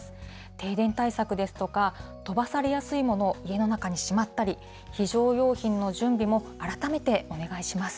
停電対策ですとか、飛ばされやすいものを家の中にしまったり、非常用品の準備も、改めてお願いします。